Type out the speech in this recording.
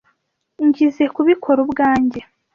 Ngizoe kubikora ubwanjye.